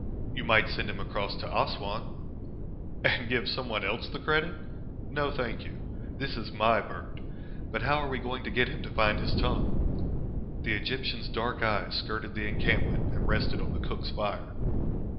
"You might send him across to Assouan." "And give someone else the credit? No, thank you. This is my bird. But how are we going to get him to find his tongue?" The Egyptian's dark eyes skirted the encampment and rested on the cook's fire.